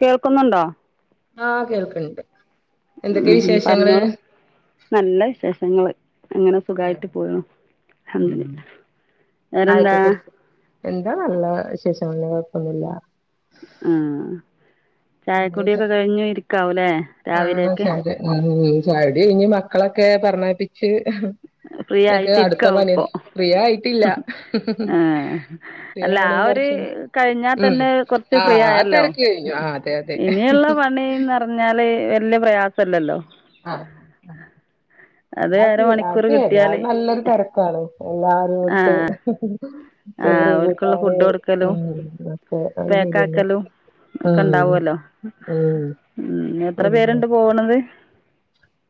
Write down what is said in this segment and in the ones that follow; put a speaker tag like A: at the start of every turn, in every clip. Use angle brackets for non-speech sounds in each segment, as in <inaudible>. A: കേൾക്കുന്നുണ്ടോ?
B: ആഹ് കേൾക്ക്ണ്ട്. എന്തൊക്കെ
A: ഉം ഉം
B: വിശേഷങ്ങള്
A: പർഞ്ഞോ നല്ല വിശേഷങ്ങള്. അങ്ങനെ സുഖായിട്ട് പോയൊ. ഹംദുലില്ലാ.
B: ഉം ചായൊക്കെ
A: വേറെന്താ?
B: കുടിച്ച് എന്താ നല്ല വിശേഷം. വല്ല്യ കൊഴ്പ്പൊന്നുല്ല.
A: ആഹ് ചായക്കുടിയൊക്കെ കഴിഞ്ഞു ഇരിക്കാവൂല്ലേ.
B: ആഹ്
A: രാവിലെയൊക്കെ
B: <unintelligible> ചായ കുടി കഴിഞ്ഞ് മക്കളൊക്കെ പറഞ്ഞയപ്പിച്ച്-
A: ഫ്രീ
B: ഒക്കെ
A: ആയിട്ട്
B: അടുത്ത
A: രിക്കയാവും
B: പണി
A: ഇപ്പൊ
B: ഫ്രീ ആയിട്ടില്ല
A: ആഹ്
B: ഫ്രീ
A: അല്ല
B: ആവണെ
A: ആ ഒര്
B: കൊറച്ച്
A: - കഴിഞ്ഞാ
B: ഉം
A: തന്നെ കൊറച്ച് ഫ്രീ
B: ആഹ് ആ
A: ആയല്ലോ
B: തെരക്ക് കഴിഞ്ഞു ആഹ് അതെ അതെ
A: ഇനീള്ള പണിന് പറഞ്ഞാ- ലെ വലൃ പ്രയാസംല്ലല്ലോ-
B: ആഹ് <unintelligible>
A: അത് അരമണിക്കൂർ
B: അത്
A: കിട്ടിയാല്
B: നല്ലൊരു തെരക്കാണ് എല്ലാരും ഇട്ട്
A: ആഹ് ആഹ്
B: ചോറ്
A: ഓൽക്കുള്ള ഫുഡ്
B: കൂട്ടാന്-
A: കൊടുക്കലും പേക്കാക്കലും
B: <unintelligible> ആഹ്
A: ഒക്കെ ഉണ്ടാവുമല്ലോ
B: ആഹ്
A: ഉം എത്ര
B: ആന്നല്ലേ?
A: പേരുണ്ട് പോണത്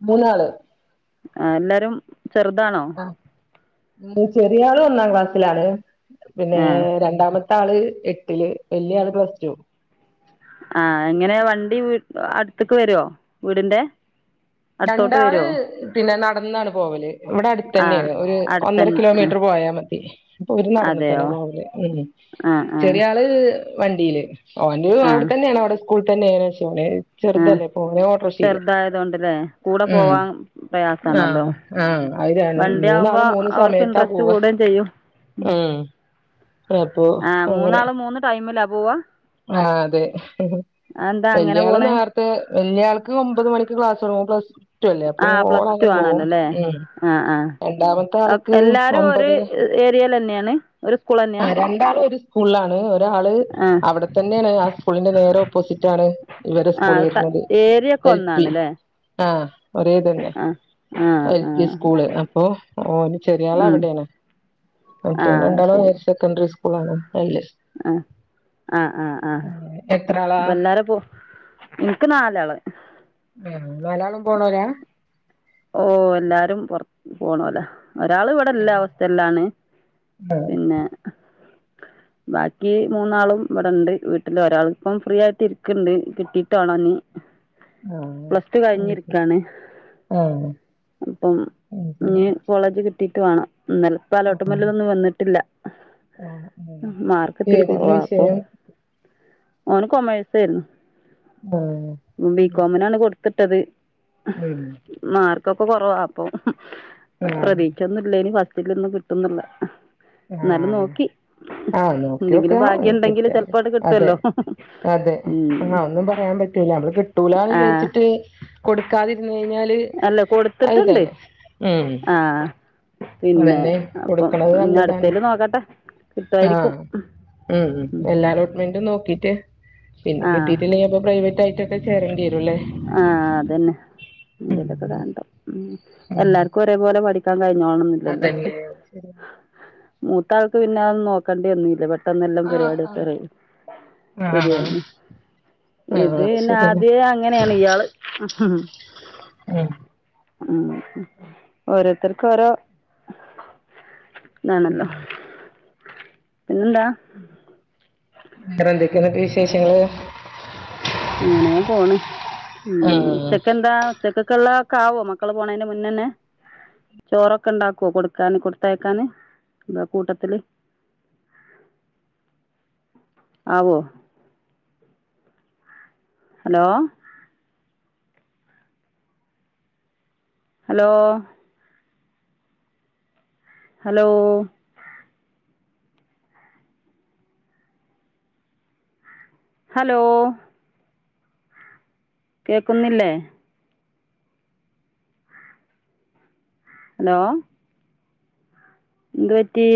B: മൂന്നാള്-
A: ആഹ് എല്ലാരും ചെറുതാണോ?
B: ആ ചെറിയ ആള് ഒന്നാം ക്ലാസ്സിലാണ് പിന്നെ
A: ആ
B: രണ്ടാമത്ത് ത്താള് എട്ടില് വല്യാള് പ്ലസ് ടു-
A: ണ്ടി വീ അടുത്തക്ക് വരുവോ വീടിന്റെ- അടുത്തോട്ട്
B: രണ്ടാള്
A: വരുമോ
B: പിന്നെ നടന്നാണ് പോവല്- ഇവിടെ
A: ആ
B: അടുത്തന്നെയാണ് ഒരു ഒന്നര
A: അടുത്തന്നെ ആ
B: കിലോമീറ്റർ പോയാൽ മതി അപ്പൊ ഇര് നടന്ന തന്നെ
A: അതെയോ
B: പോവല് ഉം-
A: ആ ആ
B: ചെറിയ ആള് വണ്ടിയില് ഓന്
A: ആ
B: അവിടെ തന്നെയാണ് അവിടെ സ്കൂളിൽ തന്നെയാണ് - ഓന് ചെറുതല്ലേ ഓനെ ഓട്ടോറിക്ഷേല് -
A: ല്ലേ കൂടെ പോവാൻ പ്രയാസണല്ലോ
B: ആഹ് ആഹ് അത്
A: വണ്ടി
B: മൂന്നാള്
A: ആുമ്പോ അവർക്ക് ഇൻട്രസ്റ്റ്- കൂടുയും ചെയ്യും-
B: മ്ഹ് - അപ്പൊ
A: ആ
B: അങ്ങനെ-
A: മൂന്നാളും മൂന്ന് ടൈമിലാ പോവുക
B: ആഹ് അതെ
A: അതെന്താ അങ്ങനെ
B: വല്യാള്
A: പോണേ
B: നാരത്തെ വല്യയാൾക്ക് ഒമ്പത് മണിക്ക് ക്ലാസ്- ഓള് പ്ലസ്ടു അല്ലേ അപ്പോ
A: ആഹ്
B: ഓള്
A: പ്ലസ് ടു
B: അങ്ങനെ പോകും
A: ആണല്ലോ ല്ലേ
B: ഉം-
A: ആഹ്
B: രണ്ടാമത്തെ
A: ആഹ്
B: ആൾക്ക്
A: എല്ലാരും ഒരു
B: ഒമ്പതര
A: ഏരിയൽ തന്നെയാണ് ഒരു സ്കൂൾ തന്നെയാ
B: രണ്ടാളും ഒര് സ്കൂളിലാണ് ഒരാള്-
A: ആഹ്
B: ഇവിടെ തന്നെയാണ് ആ സ്കൂളിന്റെ നേരെ ഓപ്പോസിറ്റ് ആണ് ഇവരെ സ്കൂൾ
A: ആഹ്
B: വരുന്നത്
A: ഏരിയ ഒക്കെ
B: എൽ പി
A: ഒന്നാണ്ല്ലേ
B: ആഹ് ഒരേ ഇതന്നെ
A: ആഹ് ആഹ്
B: എൽ പി
A: ആഹ്
B: സ്കൂള് അപ്പൊ ഓന് ചെറിയള്
A: ഉം
B: അവിടെയാണ് മറ്റേല്
A: ആഹ്
B: രണ്ടാളും
A: ശരി
B: ഹയർ സെക്കൻഡറി സ്കൂളാണ് അല്ലേ
A: ആ ആ ആ അപ്പ എല്ലാരും പോ ഇൻക്ക്‌ നാലാള്
B: ഉം നാലാളും പോണോല
A: ഓ എല്ലാരും പുർ പോണോല ഒരാള് ഇവടെല്ല ഹോസ്റ്റൽ ആണ്
B: ആ
A: പിന്നെ
B: <inaudible>
A: ബാക്കി മൂന്നാളും ഇവ്ടെണ്ട് വീട്ടില് ഒരാള് ഇപ്പം ഫ്രീ ആയിട്ട് ഇരിക്ണ്ട് കിട്ടീട്ട് വാണം ഇഞ്
B: ആഹ്.
A: പ്ലസ് ടു
B: അത്
A: കഴിഞ്
B: ശരി.
A: രിക്കാണ്
B: ആഹ്.
A: അപ്പം
B: അത് ശരി.
A: ഇഞ് കോളേജ് കിട്ടീട്ട് വാണം ഇന്നലപ്പം
B: ആഹ്.
A: അലോട്ട്മെന്റിലൊന്നും വന്ന്ട്ടില്ല
B: ആഹ് ആഹ്.
A: മാർക്ക് ഇത്തിരി
B: ഏതായിരുന്നു
A: കോറവാ അപ്പൊ
B: വിഷയം? <inaudible>
A: ഓന് കൊമേഴ്സ് ആയിരുന്നു
B: ആഹ്. അത് ശരി.
A: ബികോമിനാണ് കൊടുത്ത്ട്ടത്
B: ഉം.
A: മാർക്കൊക്കെ കൊറവാ അപ്പം
B: ആഹ്
A: പ്രതീക്ഷൊന്നുല്ല ഫസ്റ്റിലൊന്നും കിട്ടൊന്ന്ള്ളെ ഇന്നാലും നോക്കി
B: ആ
A: എന്തെങ്കിലും
B: നോക്കിയൊക്കാ
A: ഭാഗ്യം ഉണ്ടെങ്കില്
B: കിട്ട
A: ചെലപ്പോ അങ്ങട്
B: അതെ
A: കിട്ടുവല്ലോ
B: അതെ ആ
A: ഉം
B: ഒന്നും പറയാൻ പറ്റി <unintelligible> കിട്ടൂലാന്ന്
A: ആഹ്
B: വിചാച്ചിട്ട് കൊടുക്കാതിര്ന്ന് കഴിഞ്ഞാല്
A: അല്ല
B: അഹ്
A: കൊടുത്തിട്ടുണ്ട്
B: തല്ലേ ഹ്
A: ആഹ് പിന്നെ
B: അതെന്നെ
A: അപ്പം
B: കൊടുക്ണത്
A: ഇനി
B: നല്ലതാണ്
A: അടുത്തേൽ നോക്കട്ടെ
B: ആ
A: കിട്ടുമായിരിക്കും
B: ഉം ഉം എല്ലാ അലോട്ട്മെന്റും നോക്കീട്ട് പിന്നെ
A: ആഹ്
B: കിട്ടിട്ടില്ലെങ്കിൽ അപ്പൊ പ്രൈവറ്റ് ആയിട്ടൊക്കെ ചേരേണ്ടി വരുംല്ലേ
A: എന്തെങ്കിലുക്കെ കാട്ടണം
B: ഉം
A: എല്ലാർക്കും ഒരെ പോലെ പഠിക്കാൻ കഴിയി കാണോന്നില്ലല്ലോ
B: അതന്നെ അത് ശരിയാ
A: മൂത്താൾക്ക് പിന്നെ അതൊന്നും നോക്കേണ്ടി വന്നില്ല പെട്ടെന്ന് എല്ലം പരിപാടൊക്കെ കഴിഞ്
B: ആഹ്
A: ശരിയായിനി
B: ആഹ്
A: ഇത്
B: ശരിയന്നെ
A: ആദ്യെ അങ്ങനെണ് ഇയാള്
B: ഉം
A: ഉം ഓരോര്ത്തർക്ക് ഓരോ ഇതാണല്ലോ പിന്നെന്താ
B: വേറെ എന്തൊക്കെയെന്നിട്ട് വിശേഷങ്ങള്
A: അങ്ങനെ പോണ് ഉം
B: ആഹ്
A: ഉച്ചക്കെന്താ ഉച്ചക്ക്ക്കുള്ള ക്ക ആവോ മക്കള് പോണയ്ന്റെ മുന്നന്നെ ചോറൊക്കെ ഉണ്ടാക്കോ കൊടുക്കാന് കൊടുത്തയക്കാന് എന്താ കൂട്ടത്തില്
B: <inaudible>
A: ആവോ ഹലോ ഹലോ ഹലോ ഹലോ കേക്കുന്നില്ലേ ഹലോ എന്തുപറ്റി